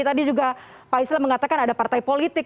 tadi juga pak islam mengatakan ada partai politik